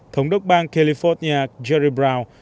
thống đốc bang california jerry brown